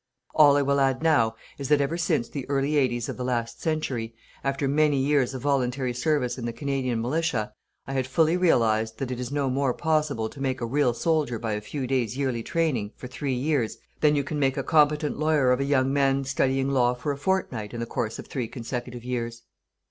All I will add now is that ever since the early eighties of the last century, after many years of voluntary service in the Canadian Militia, I had fully realized that it is no more possible to make a real soldier by a few days yearly training, for three years, than you can make a competent lawyer of a young man studying law for a fortnight in the course of three consecutive years.